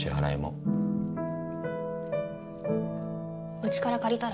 うちから借りたら？